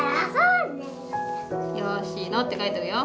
「よしの」って書いとくよ。